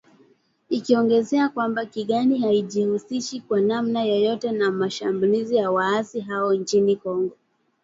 ikiongezea kwamba “Kigali haijihusishi kwa namna yoyote na mashambulizi ya waasi hao nchini Kongo"